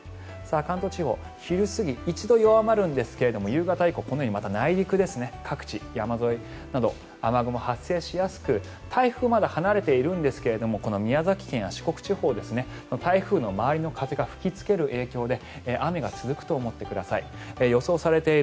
関東地方、昼過ぎ一度弱まるんですが夕方以降、内陸、山沿いで雨雲が発達しやすく台風はまだ離れているんですがこの宮崎県や四国地方台風の周りの風が吹きつける影響で雨が続くと思ってください。